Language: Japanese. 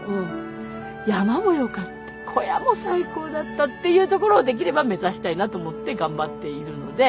山も良かった小屋も最高だったっていうところをできれば目指したいなと思って頑張っているので。